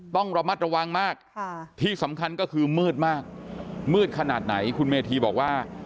ต้องระมัดระวังมากที่สำคัญก็คือมืดมากมืดขนาดไหนคุณเมธีบอกว่า